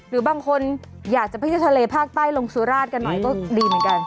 หรือบางคนอยากจะไปเที่ยวทะเลภาคใต้ลงสุราชกันหน่อยก็ดีเหมือนกัน